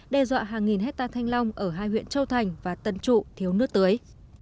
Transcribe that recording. đe dọa hàng nghìn hectare thanh long ở hai huyện châu thành và tân trụ thiếu nước tưới